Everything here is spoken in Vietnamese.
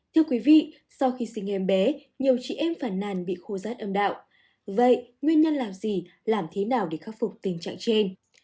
thưa quý vị sau khi sinh em bé nhiều chị em phản nàn bị khô rát âm đạo vậy nguyên nhân làm gì làm thế nào để khắc phục tình trạng trên